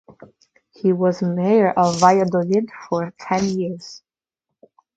He was mayor of Valladolid for ten years.